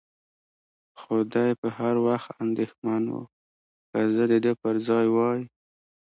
خو دی به هر وخت اندېښمن و، که زه د ده پر ځای وای.